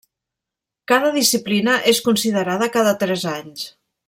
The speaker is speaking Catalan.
Cada disciplina és considerada cada tres anys.